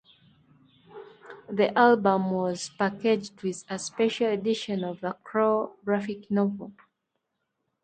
The album was packaged with a special edition of "The Crow" graphic novel.